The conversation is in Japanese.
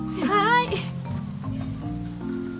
はい。